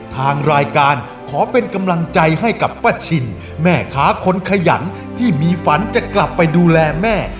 ทางรายการขอเป็นกำลังใจให้กับป้าชินแม่ค้าคนขยันที่มีฝันจะกลับไปดูแลแม่